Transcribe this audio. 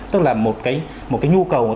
tức là một cái nhu cầu của ta là hai người phụ thuộc